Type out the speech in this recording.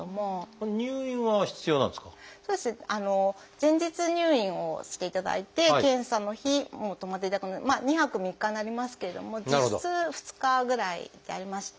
前日入院をしていただいて検査の日も泊まっていただくのでまあ２泊３日になりますけれども実質２日ぐらいでやりまして